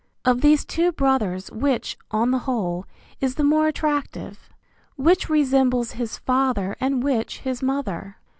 Of these two brothers which, on the whole, is the more attractive? Which resembles his father and which his mother?